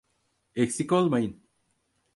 Eksik olmayın.